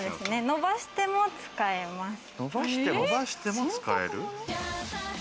伸ばしても使えます。